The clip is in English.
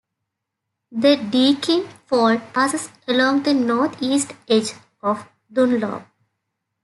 The Deakin Fault passes along the north east edge of Dunlop.